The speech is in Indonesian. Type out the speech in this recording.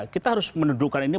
kita harus menundukkan ini